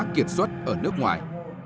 kiệt xuất ở nước ngoài